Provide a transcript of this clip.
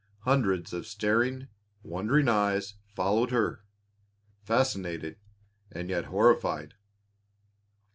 Hundreds of staring, wondering eyes followed her, fascinated and yet horrified.